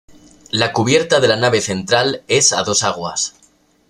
La cubierta de la nave central es a dos aguas.